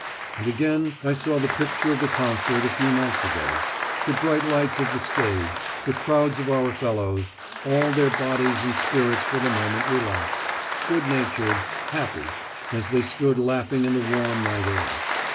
And again I saw the picture of the concert a few nights ago, the bright lights of the stage, the crowds of our fellows, all their bodies and spirits for the moment relaxed, good natured, happy, as they stood laughing in the warm night air.